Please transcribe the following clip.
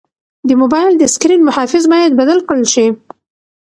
د موبایل د سکرین محافظ باید بدل کړل شي.